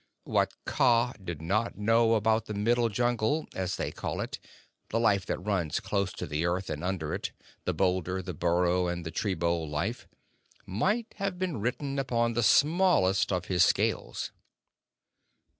What Kaa did not know about the Middle Jungle, as they call it, the life that runs close to the earth or under it, the boulder, burrow, and the tree bole life, might have been written upon the smallest of his scales.